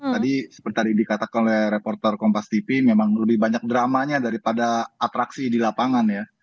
tadi seperti dikatakan oleh reporter kompas tv memang lebih banyak dramanya daripada atraksi di lapangan ya